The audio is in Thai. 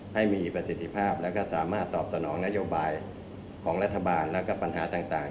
ให้มีประสิทธิภาพแล้วก็สามารถตอบสนองนโยบายของรัฐบาลแล้วก็ปัญหาต่าง